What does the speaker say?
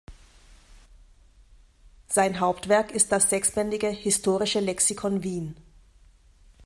Sein Hauptwerk ist das sechsbändige "Historische Lexikon Wien".